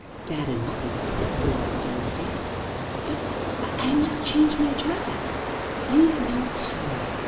Dad and mother are prancing about downstairs." "But I must change my dress!" "You've no time."